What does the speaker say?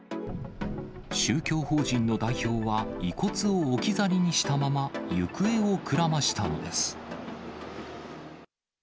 宗教法人の代表は、遺骨を置き去りにしたまま、行方をくらましたのです。